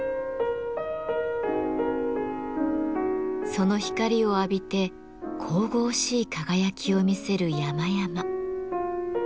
その光を浴びて神々しい輝きを見せる山々。